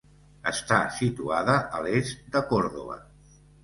Està situada a l'est de Còrdova.